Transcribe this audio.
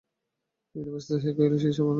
বিনয় ব্যস্ত হইয়া কহিল, কী সর্বনাশ!